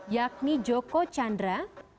yakni joko chandra